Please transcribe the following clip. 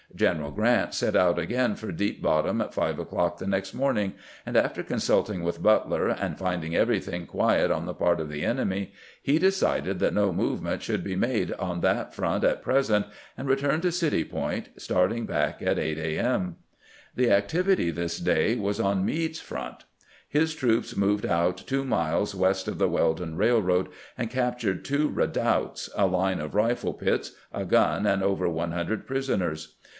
General Grant set out again for Deep Bottom at five o'clock the next morning ; and after consulting with Butler, and finding everything quiet on the part of the enemy, he decided that no move ment should be made on that front at present, and re turned to City Point, starting back at 8 a. m. The activity this day was on Meade's front. His troops moved out two miles west of the Weldon Eailroad, and captured two redoubts, a line of rifle pits, a gun, and over one hundred prisoners.